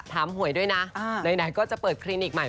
หวยด้วยนะไหนก็จะเปิดคลินิกใหม่